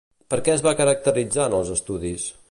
Per què es va caracteritzar en els estudis?